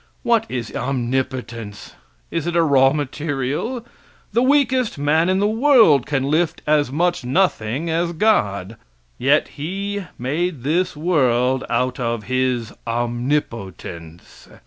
What is omnipotence? Is it a raw material? The weakest man in the world can lift as much nothing as God. Yet He made this world out of His omnipotence.